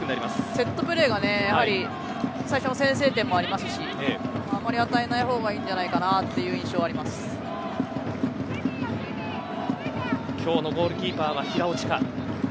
セットプレーが、やはり最初の先制点もありますしあまり与えない方がいいという今日のゴールキーパーは平尾知佳。